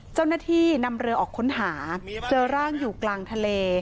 เจ้าหน้าที่นำเรือออกค้นหาเจอร่างอยู่กลางทะเล